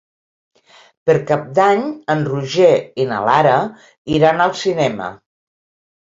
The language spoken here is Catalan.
Per Cap d'Any en Roger i na Lara iran al cinema.